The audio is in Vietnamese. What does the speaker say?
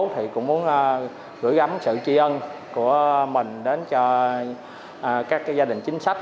thì cũng muốn gửi gắm sự tri ân của mình đến cho các gia đình chính sách